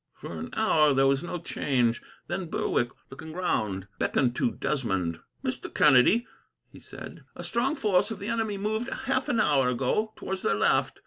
For an hour, there was no change. Then Berwick, looking round, beckoned to Desmond. "Mr. Kennedy," he said, "a strong force of the enemy moved, half an hour ago, towards their left.